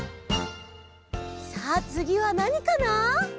さあつぎはなにかな？